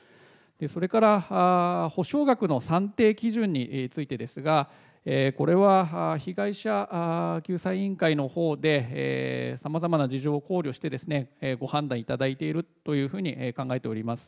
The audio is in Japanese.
それから補償額の算定基準についてですが、これは被害者救済委員会のほうでさまざまな事情を考慮して、ご判断いただいているというふうに考えております。